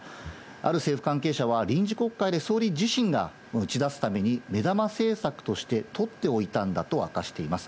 ある政府関係者は、臨時国会で総理自身が打ち出すために、目玉政策として取っておいたんだと明かしています。